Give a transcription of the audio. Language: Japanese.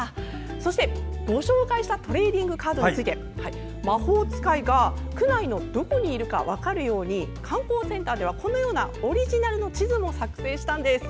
そして、ご紹介したトレーディングカードについて魔法使いが区内のどこにいるか分かるように観光センターではオリジナルの地図も作成しました。